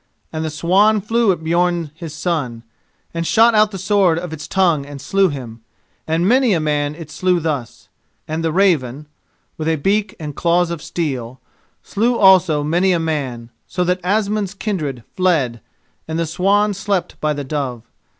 And the swan flew at Björn his son, and shot out the sword of its tongue and slew him, and many a man it slew thus. And the raven, with a beak and claws of steel, slew also many a man, so that Asmund's kindred fled and the swan slept by the dove.